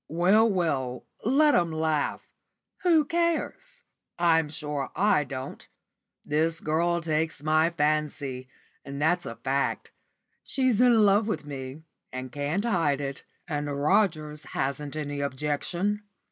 "Well, well, let 'em laugh. Who cares? I'm sure I don't. This girl takes my fancy, and that's a fact. She's in love with me, and can't hide it, and Rogers hasn't any objection."